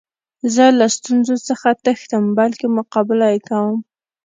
زه له ستونزو څخه تښتم؛ بلکي مقابله ئې کوم.